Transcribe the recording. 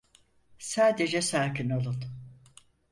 Sadece sakin olun.